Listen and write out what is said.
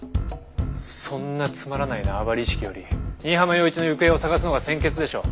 そんなつまらない縄張り意識より新浜陽一の行方を捜すのが先決でしょう。